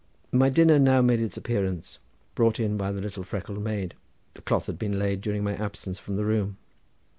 My dinner now made its appearance, brought in by the little freckled maid—the cloth had been laid during my absence from the room.